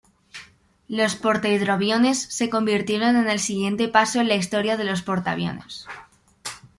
Los portahidroaviones se convirtieron en el siguiente paso en la historia de los portaviones.